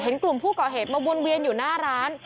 เห็นกลุ่มผู้ก่อเหตุมาวนเวียนอยู่หน้าร้าน